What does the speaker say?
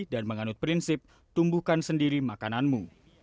dan menganut prinsip tumbuhkan sendiri makananmu